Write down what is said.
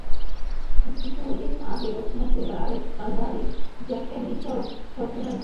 কিছুদিন আগে দক্ষিণ আফ্রিকার আরেক কাণ্ডারি জ্যাক ক্যালিসও অবসর নিয়েছেন টেস্ট ক্রিকেট থেকে।